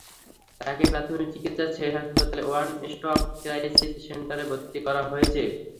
তাকে প্রাথমিক চিকিৎসা শেষে হাসপাতালে ওয়ান স্টপ ক্রাইসিস সেন্টারে ভর্তি করা হয়েছে।